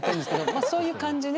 まあそういう感じね。